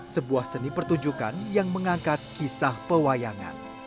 sebuah seni pertunjukan yang mengangkat kisah pewayangan